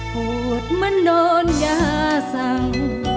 ปวดมันนอนยาสั่ง